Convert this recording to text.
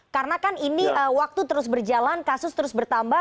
karena kan ini waktu terus berjalan kasus terus bertambah